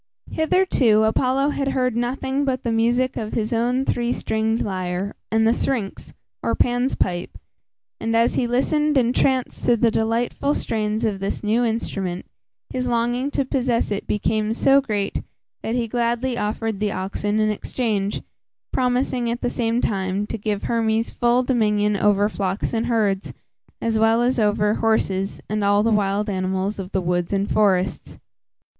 Hitherto Apollo had heard nothing but the music of his own three stringed lyre and the syrinx, or Pan's pipe, and, as he listened entranced to the delightful strains of this new instrument, his longing to possess it became so great, that he gladly offered the oxen in exchange, promising at the same time, to give Hermes full dominion over flocks and herds, as well as over horses, and all the wild animals of the woods and forests.